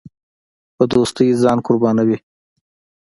په دوستۍ ځان قربانوي.